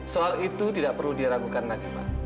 soal itu tidak perlu diragukan lagi pak